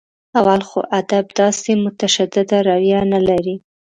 اول خو ادب داسې متشدده رویه نه لري.